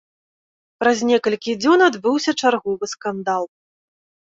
Праз некалькі дзён адбыўся чарговы скандал.